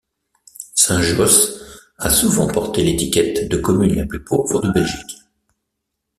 Saint-Josse a souvent porté l'étiquette de commune la plus pauvre de Belgique.